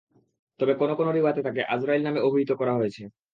তবে কোন কোন রিওয়ায়েতে তাকে আযরাঈল নামে অভিহিত করা হয়েছে।